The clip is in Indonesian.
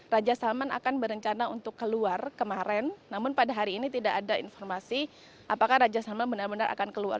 raja salman akan berencana untuk keluar kemarin namun pada hari ini tidak ada informasi apakah raja salman benar benar akan keluar